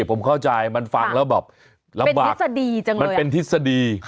ผมเข้าใจมันฟังแล้วแบบลำบากมันเป็นทฤษฎี